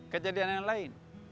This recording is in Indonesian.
kejadian yang lain